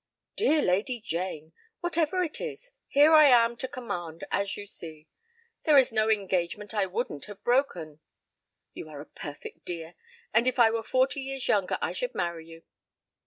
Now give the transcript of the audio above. "Dear Lady Jane! Whatever it is, here I am to command, as you see. There is no engagement I wouldn't have broken " "You are a perfect dear, and if I were forty years younger I should marry you.